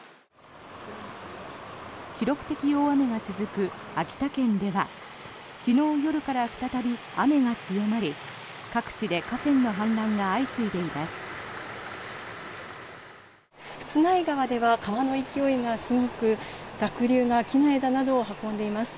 記録的大雨が続く秋田県では昨日夜から再び雨が強まり各地で河川の氾濫が相次いでいます。